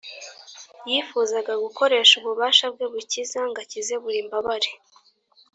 . Yifuzaga gukoresha ububasha Bwe bukiza ngo akize buri mbabare